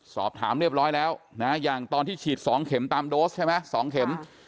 สอบถามเรียบร้อยแล้วนะอย่างตอนที่ฉีด๒เข็มตามโดสใช่ไหม๒เข็ม